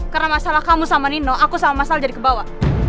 karena masalah kamu sama nino aku sama masa jadi kebawa